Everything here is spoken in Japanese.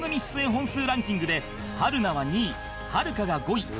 本数ランキングで春菜は２位はるかが５位